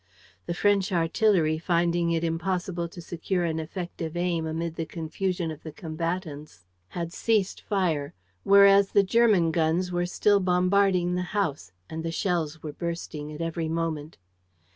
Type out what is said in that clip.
The French artillery, finding it impossible to secure an effective aim amid the confusion of the combatants, had ceased fire, whereas the German guns were still bombarding the house; and shells were bursting at every moment.